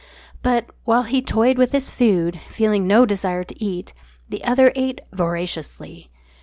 But, while he toyed with his food, feeling no desire to eat, the other ate voraciously.